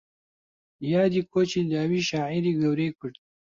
یادی کۆچی داوی شاعیری گەورەی کورد